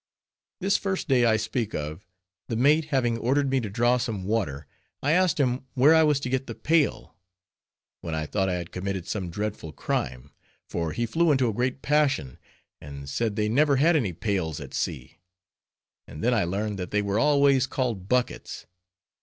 This first day I speak of, the mate having ordered me to draw some water, I asked him where I was to get the pail; when I thought I had committed some dreadful crime; for he flew into a great passion, and said they never had any pails at sea, and then I learned that they were always called _buckets.